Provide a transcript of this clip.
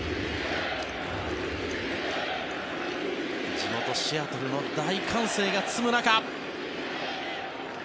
地元シアトルの大歓声が包む中。